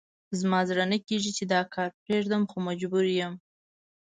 زما زړه نه کېږي چې دا کار پرېږدم، خو مجبور یم.